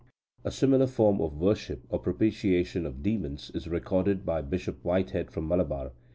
A similar form of worship, or propitiation of demons, is recorded by Bishop Whitehead from Malabar.